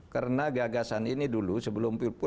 karena gagasan ini dulu sebelum pirpur